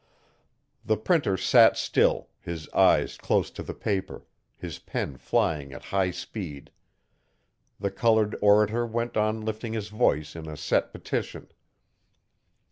The Printer sat still, his eyes close to the paper, his pen flying at high speed. The coloured orator went on lifting his voice in a set petition.